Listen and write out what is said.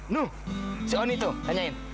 nuh si oni tuh tanyain